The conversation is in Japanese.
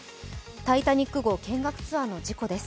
「タイタニック」号、見学ツアーの事故です。